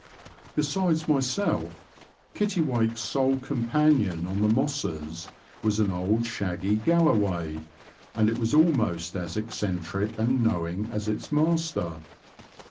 Besides myself, Kittiwake's sole companion on the mosses was an old shaggy galloway, and it was ahnost as 'eccentric and knowing as its master.